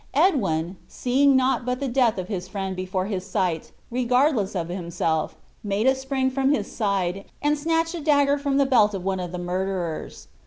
Edwin, seeing naught but the death of his friend before his sight, regardless of himself, made a spring from his side, and snatched a dagger from the belt of one of the murderers.